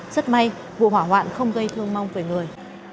rất may vụ hỏa hoạn không gây thương vong về người